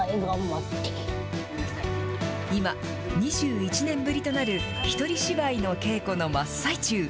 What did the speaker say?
今、２１年ぶりとなる一人芝居の稽古の真っ最中。